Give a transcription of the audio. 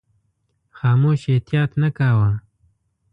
خاموش احتیاط نه کاوه.